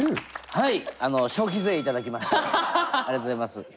はい。